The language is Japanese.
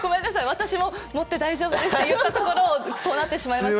私も持って大丈夫ですと言ったところ、そうなってしまいました。